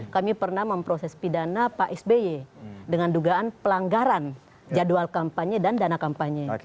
kami pernah memproses pidana pak sby dengan dugaan pelanggaran jadwal kampanye dan dana kampanye